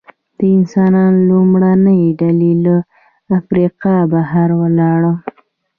د انسان لومړنۍ ډلې له افریقا بهر ولاړې.